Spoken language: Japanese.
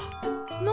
何？